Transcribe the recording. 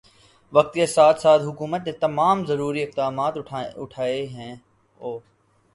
وقت کے ساتھ ساتھ حکومت نے تمام ضروری اقدامات اٹھائے ہیں او